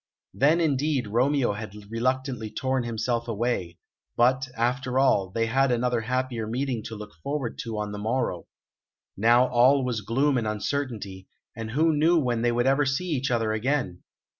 Then, indeed, Romeo had reluctantly torn himself away; but, after all, they had another happier meeting to look forward to on the morrow. Now, all was gloom and uncertainty, and who knew when they would ever see each other again?